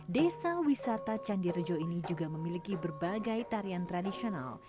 desa wisata candirejo ini juga memiliki berbagai tarian tradisional